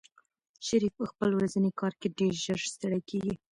شریف په خپل ورځني کار کې ډېر ژر ستړی کېږي.